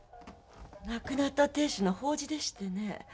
亡くなった亭主の法事でしてね。